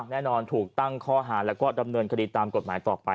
แน่นอนถูกตั้งข้อหาแล้วก็ดำเนินคดีตามกฎหมายต่อไป